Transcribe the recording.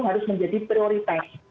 harus menjadi prioritas